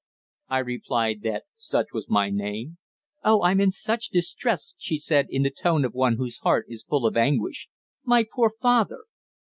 I replied that such was my name. "Oh, I'm in such distress," she said, in the tone of one whose heart is full of anguish. "My poor father!"